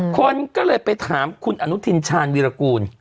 คนก็เลยไปถามคุณอนุทินชาญวีรกูล